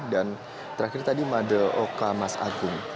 dan terakhir tadi mada oka mas agung